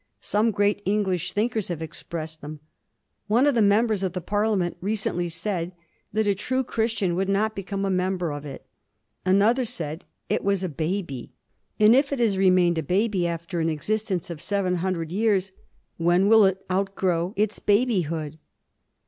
Some great English thinkers have expressed them. One of the members of the Parliament recently said that a true Christian could not become a member of it. Another said that it was a baby. And, if it has remained a baby after an existence of seven hundred years, when will it outgrow its babyhood?